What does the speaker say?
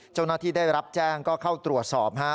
เจ้าหน้าที่ได้รับแจ้งก็เข้าตรวจสอบฮะ